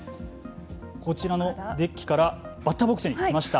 こちらのデッキからバッターボックスに来ました。